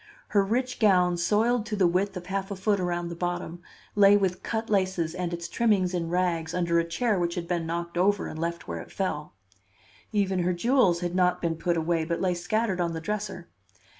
Her rich gown, soiled to the width of half a foot around the bottom, lay with cut laces and its trimmings in rags under a chair which had been knocked over and left where it fell. Even her jewels had not been put away, but lay scattered on the dresser.